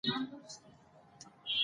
د دښمن د پوځونو شمېر ډېر دی.